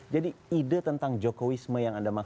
jadi ide tentang jokowi itu memang sangat penting